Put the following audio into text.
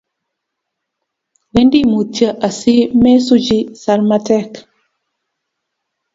Wendi mutyo asimesuchi sarmatek